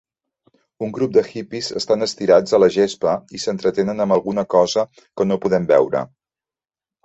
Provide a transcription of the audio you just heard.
Un grup de hippies estan estirats a la gespa i s'entretenen amb alguna cosa que no podem veure.